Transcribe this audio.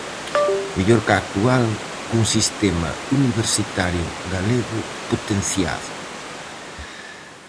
Mellor cá actual, cun sistema universitario galego potenciado.